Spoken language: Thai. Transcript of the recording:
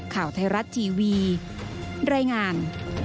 ข่าวไทยรัตน์ทีวีดร